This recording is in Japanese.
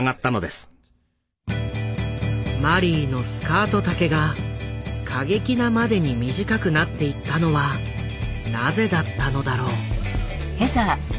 マリーのスカート丈が過激なまでに短くなっていったのはなぜだったのだろう？